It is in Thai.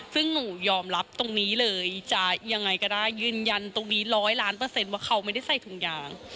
ซึ่งหนูยอมรับตรงนี้เลยจะยังไงก็ได้ยืนยันตรงนี้ร้อยล้านเปอร์เซ็นต์ว่าเขาไม่ได้ใส่ถุงยาง